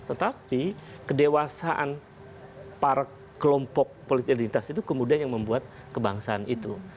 tetapi kedewasaan para kelompok politik identitas itu kemudian yang membuat kebangsaan itu